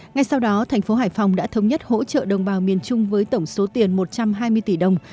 ngay sau đó thành phố hải phòng đã thống nhất hỗ trợ đồng bào miền trung với tổng số tiền một trăm hai mươi tỷ đồng